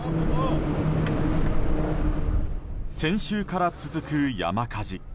先週から続く山火事。